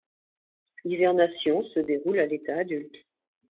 L'hivernation se déroule à l'état adulte.